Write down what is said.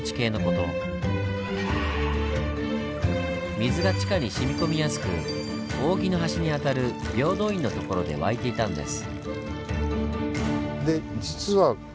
水が地下にしみこみやすく扇の端にあたる平等院の所で湧いていたんです。